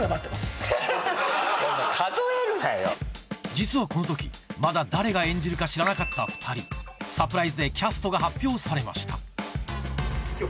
実はこの時まだ誰が演じるか知らなかった２人サプライズでキャストが発表されましたえっ？